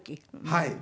はい。